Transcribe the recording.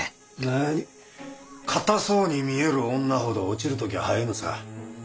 なに堅そうに見える女ほど落ちる時は早えのさ。